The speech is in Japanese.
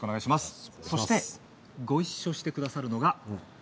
そしてごいっしょしてくださるのが。